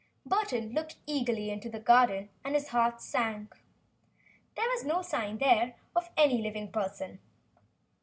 Burton looked eagerly into the garden and his heart sank. There was no sign there of any living person.